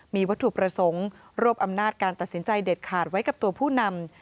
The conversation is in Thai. มีวัตถุประสงค์รวบอำนาจการตัดสินใจเด็ดขาดไว้กับตัวผู้นำ